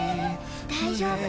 大丈夫。